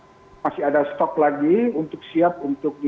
dan saat ini kita masih ada stok lagi untuk siap untuk mencari